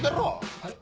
はい。